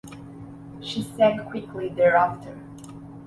She sank quickly thereafter.